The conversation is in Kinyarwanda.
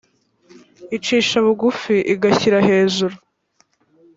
icisha bugufi igashyira hejuru